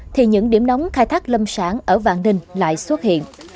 thì những điểm nóng khai thác lâm sản ở vạn ninh lại xuất hiện